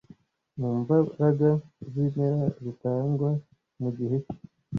Mu mbaraga z'ibimera zitangwa mugihe ki